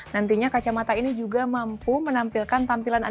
nantinya kacamata ini juga mempunyai kacamata yang berbeda dengan kacamata virtual lain